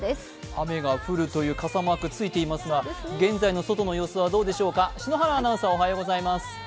雨が降るという傘マークついていますが現在の外の様子はどうでしょうか。